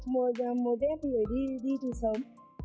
mùa rét thì đi thì sớm